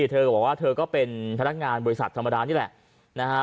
เธอบอกว่าเธอก็เป็นพนักงานบริษัทธรรมดานี่แหละนะฮะ